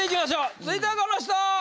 続いてはこの人！